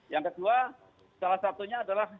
yang kedua salah satunya adalah